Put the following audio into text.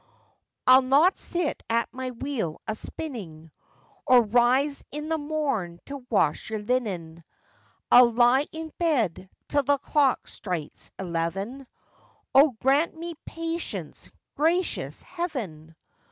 'I'll not sit at my wheel a spinning, Or rise in the morn to wash your linen; I'll lie in bed till the clock strikes eleven—' 'Oh, grant me patience gracious Heaven!